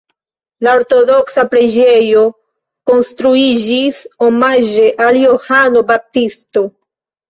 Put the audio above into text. La ortodoksa preĝejo konstruiĝis omaĝe al Johano Baptisto.